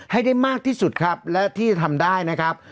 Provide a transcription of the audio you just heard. ให้ได้มากที่สุดครับและที่จะทำได้นะครับ